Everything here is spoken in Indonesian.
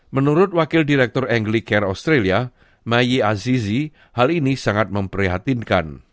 menurut wakil direktur anglicare australia mayi azizi hal ini sangat memprihatinkan